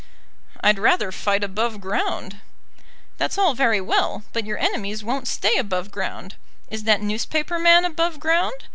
"I'd rather fight above ground." "That's all very well, but your enemies won't stay above ground. Is that newspaper man above ground?